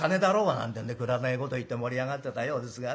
なんてんでくだらないこと言って盛り上がってたようですがね。